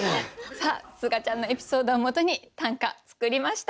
さあすがちゃんのエピソードをもとに短歌作りました。